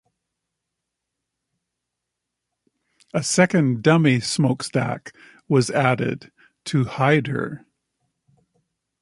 A second dummy smokestack was added to "hide her".